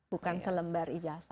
bukan selembar ijasa